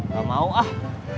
gak mau ah